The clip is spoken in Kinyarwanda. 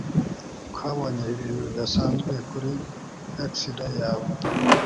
Twabonye ibintu bidasanzwe kuri x-ray yawe.